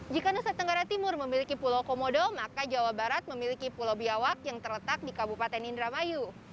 jika nusa tenggara timur memiliki pulau komodo maka jawa barat memiliki pulau biawak yang terletak di kabupaten indramayu